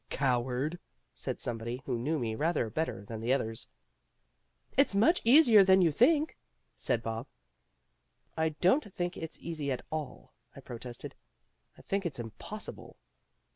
"Coward!" said somebody, who knew me rather better than the others. "It's much easier than you think," said Bob. "I don't think it's easy at all," I protested. "I think it's impossible."